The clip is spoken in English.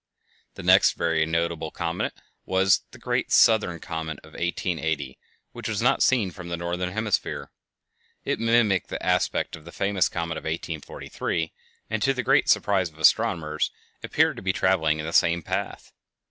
The next very notable comet was the "Great Southern Comet" of 1880, which was not seen from the northern hemisphere. It mimicked the aspect of the famous comet of 1843, and to the great surprise of astronomers appeared to be traveling in the same path.